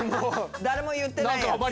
誰も言ってないやつ。